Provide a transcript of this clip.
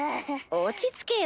落ち着けよ。